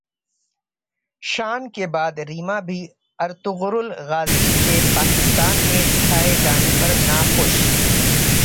شان کے بعد ریما بھی ارطغرل غازی کے پاکستان میں دکھائے جانے پر ناخوش